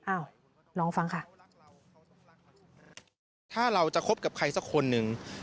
อ้าวลองฟังค่ะถ้าเราจะคบกับใครสักคนหนึ่ง